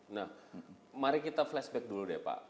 nah mari kita flashback dulu deh pak